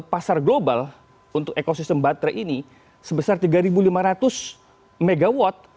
pasar global untuk ekosistem baterai ini sebesar tiga lima ratus mw